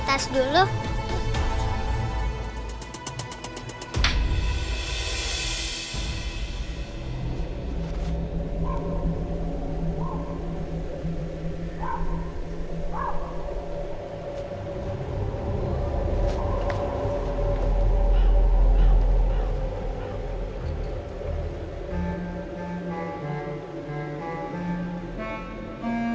kita ambil tas dulu